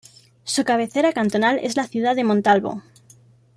Su cabecera cantonal es la ciudad de Montalvo.